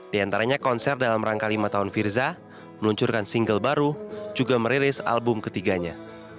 di antaranya konser dalam rangka lima tahun firza meluncurkan single baru juga merilis album ketiganya